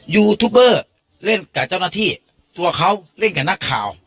ยูทูบเบอร์เล่นกับเจ้าหน้าที่ตัวเขาเล่นกับนักข่าว